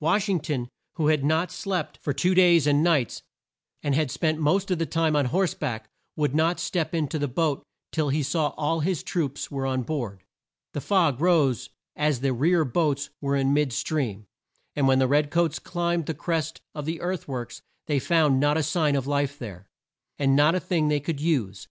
Wash ing ton, who had not slept for two days and nights, and had spent the most of the time on horse back, would not step in to the boat till he saw that all his troops were on board. The fog rose as the rear boats were in mid stream, and when the red coats climbed the crest of the earth works they found not a sign of life there, and not a thing they could use.